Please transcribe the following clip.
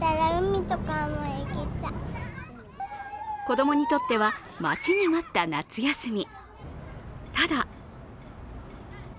子供にとっては、待ちに待った夏休み。